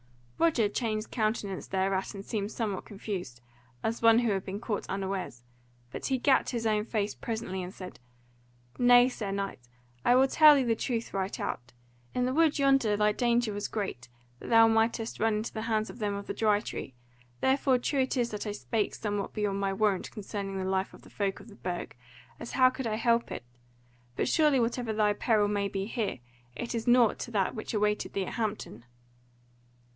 Roger changed countenance thereat and seemed somewhat confused, as one who has been caught unawares; but he gat his own face presently, and said: "Nay, Sir Knight, I will tell thee the truth right out. In the wood yonder thy danger was great that thou mightest run into the hands of them of the Dry Tree; therefore true it is that I spake somewhat beyond my warrant concerning the life of the folk of the Burg, as how could I help it? But surely whatever thy peril may be here, it is nought to that which awaited thee at Hampton."